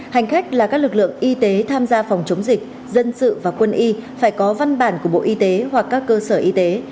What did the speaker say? hành khách là các lực lượng y tế tham gia phòng chống dịch dân sự và quân y phải có văn bản của bộ y tế hoặc các cơ sở y tế